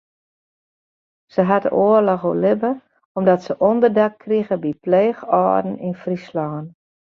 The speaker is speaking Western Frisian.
Sy hat de oarloch oerlibbe omdat se ûnderdak krige by pleechâlden yn Fryslân.